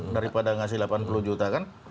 daripada ngasih delapan puluh juta kan